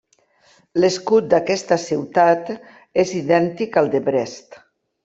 L'escut d'aquesta ciutat és idèntic al de Brest.